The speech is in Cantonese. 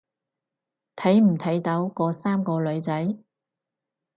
睇唔睇到嗰三個女仔？